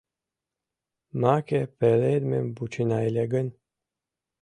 Маке пеледмым вучена ыле гын